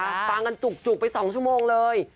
ฟังกันจุกไป๒ชั่วโมงเลย